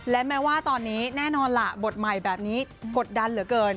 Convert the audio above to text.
และแม้ว่าตอนนี้แน่นอนล่ะบทใหม่แบบนี้กดดันเหลือเกิน